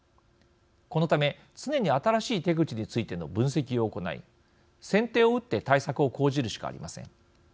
このため常に新しい手口についての分析を行い先手を打って対策を講じるしかありません。